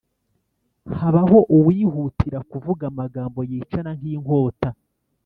habaho uwihutira kuvuga amagambo yicana nk’inkota,